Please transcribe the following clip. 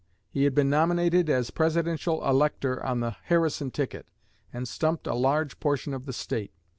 He had been nominated as Presidential Elector on the Harrison ticket, and stumped a large portion of the State.